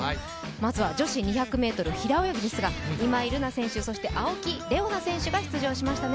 まずは女子２００ｍ平泳ぎですが今井月選手、青木玲緒樹選手が出場しましたね。